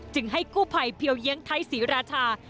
ให้กู้ภัยเพียวเยียงไทยศรีราชา